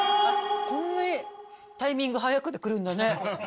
こんなタイミングはやく来るんだね。